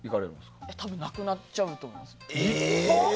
多分なくなっちゃうと思います。